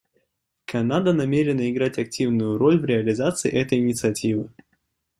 Канада намерена играть активную роль в реализации этой инициативы.